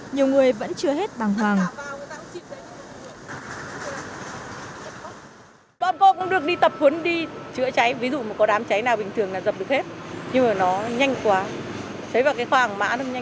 nhiều người vẫn chưa hết bằng hoàng